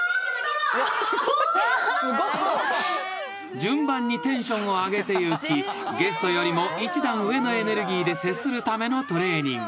［順番にテンションを上げていきゲストよりも一段上のエネルギーで接するためのトレーニング］